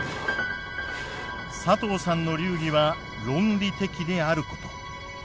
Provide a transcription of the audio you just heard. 佐藤さんの流儀は論理的であること。